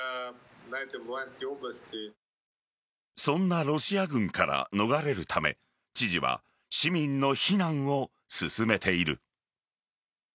そんなロシア軍から逃れるため知事は市民の避難を進めている。